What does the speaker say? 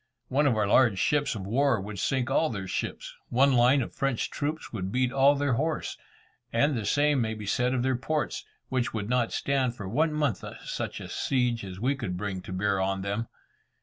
One of our large ships of war would sink all their ships, one line of French troops would beat all their horse, and the same may be said of their ports, which would not stand for one month such a siege as we could bring to bear on them.